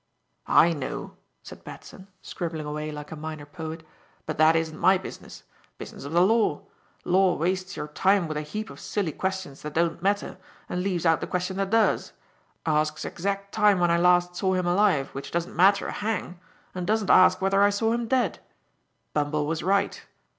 "I know," said Batson, scribbling away like a minor poet, "but that isn't my business. Business of the Law. Law wastes your time with a heap of silly questions that don't matter and leaves out the question that does. Asks exact time when I last saw him alive, which doesn't matter a hang, and doesn't ask whether I saw him dead. Bumble was right.